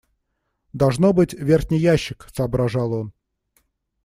Должно быть, верхний ящик, — соображал он.